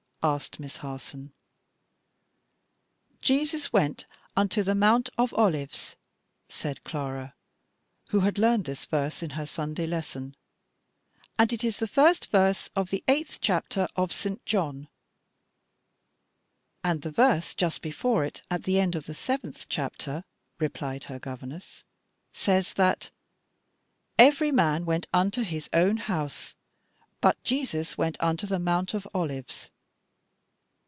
asked Miss Harson. "'Jesus went unto the Mount of Olives,'" said Clara, who had learned this verse in her Sunday lesson, "and it is the first verse of the eighth chapter of St. John." "And the verse just before it, at the end of the seventh chapter," replied her governess, "says that 'every man went unto his own house,' but 'Jesus went unto the Mount of Olives.'